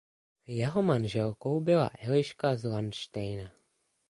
Jeho manželkou byla Eliška z Landštejna.